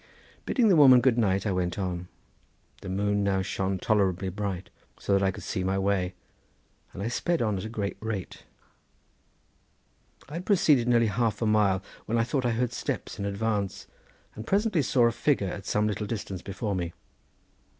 Bidding the woman good night, I went on. The moon now shone tolerably bright, so that I could see my way, and I sped on at a great rate. I had proceeded nearly half a mile, when I thought I heard steps in advance, and presently saw a figure at some little distance before me.